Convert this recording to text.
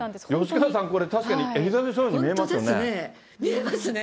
吉川さん、これ、確かに、エリザベス女王に見えますよね。